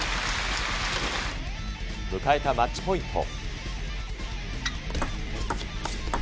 迎えたマッチポイント。